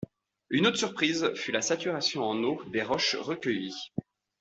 Une autre surprise fut la saturation en eau des roches recueillies.